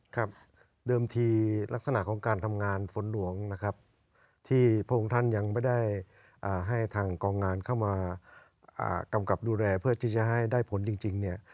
ครับเดิมทีลักษณะของการทำงานฝนหลวงนะครับที่พระองค์ท่านยังไม่ได้ให้ทางกองงานเข้ามากำกับดูแลเพื่อที่จะให้ได้ผลจริงเนี่ย